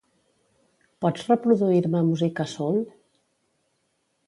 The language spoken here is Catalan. Pots reproduir-me música soul?